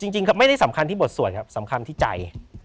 จริงไม่ได้สำคัญที่บทสวดครับสำคัญที่ใจ